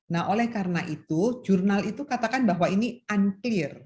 nah oleh karena itu jurnal itu katakan bahwa ini unclear